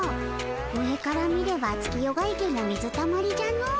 上から見れば月夜が池も水たまりじゃの。